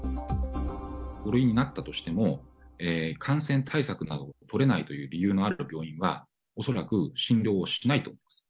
５類になったとしても、感染対策などを取れないという理由がある病院は、恐らく診療しないと思います。